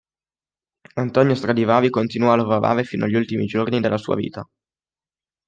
Antonio Stradivari continuò a lavorare fino agli ultimi giorni della sua vita.